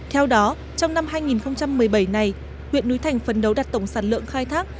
theo đó trong năm hai nghìn một mươi bảy này huyện núi thành phấn đấu đặt tổng sản lượng khai thác